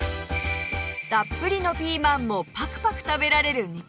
たっぷりのピーマンもパクパク食べられる肉づめ